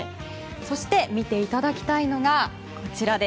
そして、見ていただきたいのがこちら。